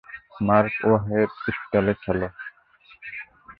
Mark ওয়াহের স্টাইলে খেলে।